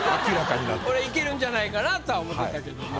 これいけるんじゃないかなとは思ってたけども。